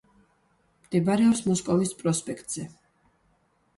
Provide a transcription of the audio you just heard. მდებარეობს მოსკოვის პროსპექტზე.